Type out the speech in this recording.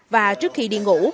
và trước khi đi ngủ